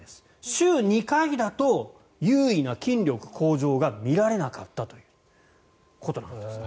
週２回だと有意な筋力向上が見られなかったということなんですね。